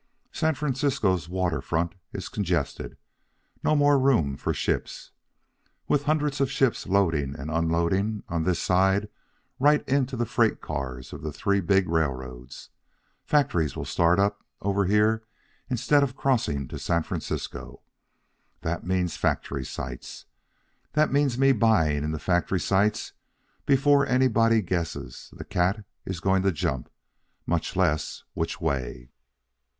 San Francisco's water front is congested. No more room for ships. With hundreds of ships loading and unloading on this side right into the freight cars of three big railroads, factories will start up over here instead of crossing to San Francisco. That means factory sites. That means me buying in the factory sites before anybody guesses the cat is going to jump, much less, which way.